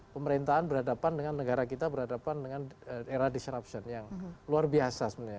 pemerintahan berhadapan dengan negara kita berhadapan dengan era disruption yang luar biasa sebenarnya